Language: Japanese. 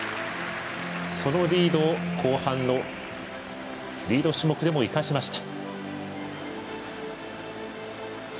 そのリードを後半のリード種目でも生かしました。